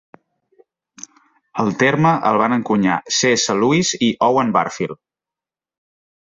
El terme el van encunyar C. S. Lewis i Owen Barfield.